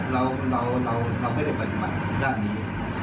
เราไม่ได้ปัจจุบันนี้